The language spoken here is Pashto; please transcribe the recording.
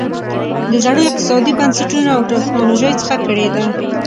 د زړو اقتصادي بنسټونو او ټکنالوژۍ څخه کړېده.